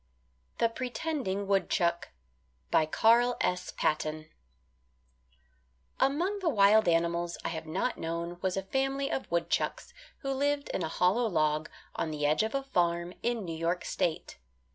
THE PRETENDING WOODCHUCK CARL S. PATTON Among the wild animals I have not known was a family of woodchucks who lived in a hollow log on the edge of a farm in New York State.